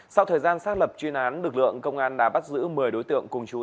sau thời gian xác lập chuyên án lực lượng công an đã bắt giữ một mươi đối tượng cùng chú